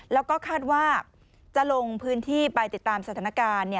แล้วก็คาดว่าจะลงพื้นที่ไปติดตามสถานการณ์